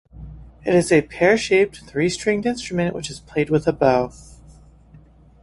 It is a pear-shaped, three-stringed instrument which is played with a bow.